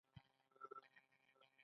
ایا زه باید سنډویچ وخورم؟